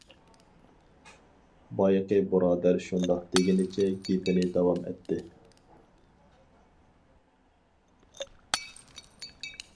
بايىقى بۇرادەر شۇنداق دېگىنىچە گېپىنى داۋام ئەتتى.